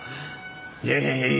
いやいやいやいや